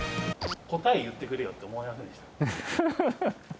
答え言ってくれよと思いませんでしたか？